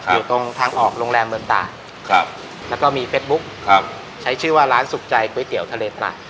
อยู่ตรงทางออกโรงแรมเมืองตากแล้วก็มีเฟสบุ๊คใช้ชื่อว่าร้านสุขใจก๋วยเตี๋ยวทะเลตลาด